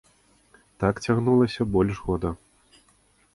Так цягнулася больш года.